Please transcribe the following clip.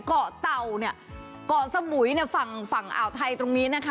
เกาะเต่าเนี่ยเกาะสมุยเนี่ยฝั่งฝั่งอ่าวไทยตรงนี้นะคะ